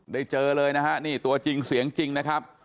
เจอเลยนะฮะนี่ตัวจริงเสียงจริงนะครับ